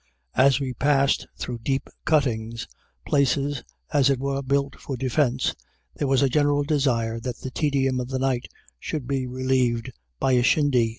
As we passed through deep cuttings, places, as it were, built for defense, there was a general desire that the tedium of the night should be relieved by a shindy.